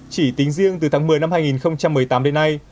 chỉ tính riêng từ tháng một mươi năm hai nghìn một mươi tám đến nay